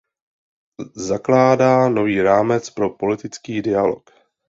Zakládá nový rámec pro politický dialog.